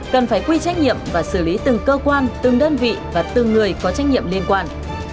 cần phải quy trách nhiệm và xử lý từng cơ quan từng đơn vị và từng người có trách nhiệm liên quan